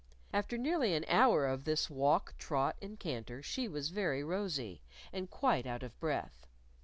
After nearly an hour of this walk, trot and canter she was very rosy, and quite out of breath.